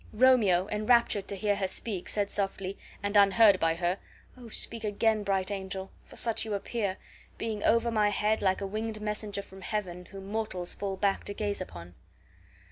Romeo, enraptured to bear her speak, said, softly and unheard by her, "Oh, speak again, bright angel, for such you appear, being over my head, like a winged messenger from heaven whom mortals fall back to gaze upon."